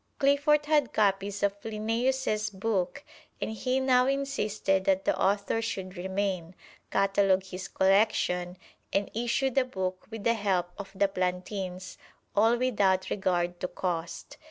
Cliffort had copies of Linnæus' book and he now insisted that the author should remain, catalog his collection and issue the book with the help of the Plantins, all without regard to cost.